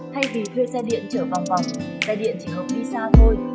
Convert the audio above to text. thay vì thuê xe điện chở vòng vòng xe điện chỉ không đi xa thôi